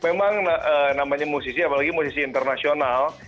memang namanya musisi apalagi musisi internasional